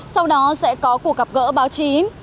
sau đó sẽ có cuộc gặp gỡ báo chí